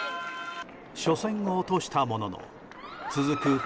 初戦を落としたものの続く